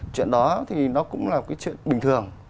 chuyện đó thì nó cũng là chuyện bình thường